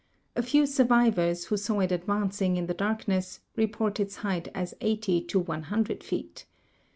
A few survivors, who saw it advancing in the darkness, report its height as 80 to 100 feet.